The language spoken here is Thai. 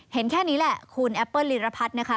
เห็นแค่นี้แหละคุณแอปเปิ้ลลีรพัฒน์นะคะ